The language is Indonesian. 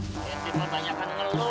nanti pertanyaan ngelelu